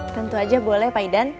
tentu aja boleh pak idan